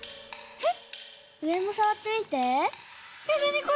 えっ。